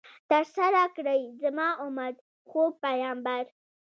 ترسره کړئ، زما امت ، خوږ پیغمبر